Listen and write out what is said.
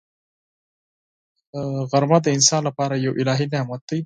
غرمه د انسان لپاره یو الهي نعمت دی